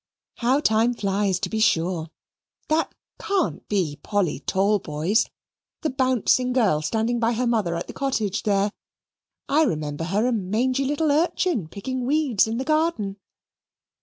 How time flies, to be sure! That can't be Polly Talboys, that bouncing girl standing by her mother at the cottage there. I remember her a mangy little urchin picking weeds in the garden."